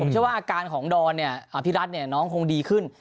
ผมเชื่อว่าอาการของดอนเนี่ยอภิรัตน์เนี่ยน้องคงดีขึ้น